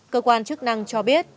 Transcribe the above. cơ quan chức năng cho biết